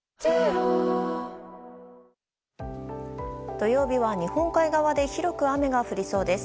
土曜日は日本海側で広く雨が降りそうです。